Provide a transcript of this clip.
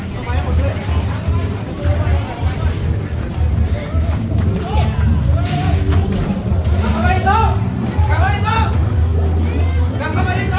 อย่าลืมกุ๊ตแปดดไว้ให้เห็น